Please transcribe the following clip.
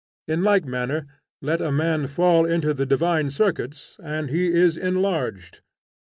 In like manner, let a man fall into the divine circuits, and he is enlarged.